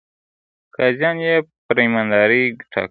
قاضيان يې پر ايماندارۍ ټاکل.